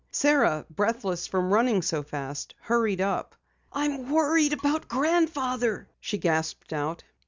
Sara, breathless from running so fast, hurried up. "I'm worried about Grandfather," she gasped out.